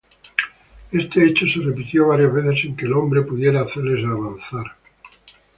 Este hecho se repitió varias veces sin que el hombre pudiera hacerles avanzar.